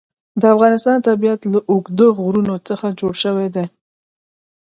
د افغانستان طبیعت له اوږده غرونه څخه جوړ شوی دی.